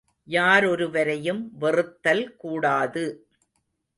யாரொருவரையும் வெறுத்தல் கூடாது.